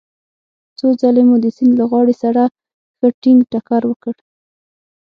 څو ځلې مو د سیند له غاړې سره ښه ټينګ ټکر وکړ.